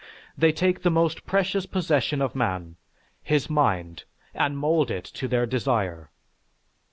They take the most precious possession of man, his mind, and mould it to their desire.